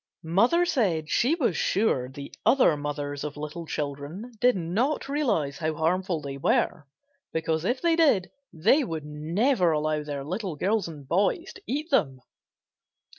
Mother said she was sure the other mothers of little children did not realize how harmful they were, because if they did, they would never allow their little girls and boys to eat them.